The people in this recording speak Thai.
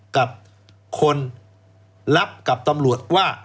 กับคนรับกับตำรวจว่า